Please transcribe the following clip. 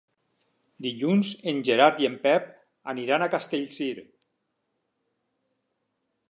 Dilluns en Gerard i en Pep aniran a Castellcir.